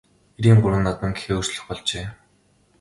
Эрийн гурван наадам гэхээ өөрчлөх болжээ.